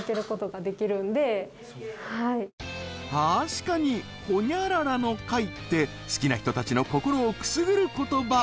確かにホニャララの会って好きな人たちの心をくすぐる言葉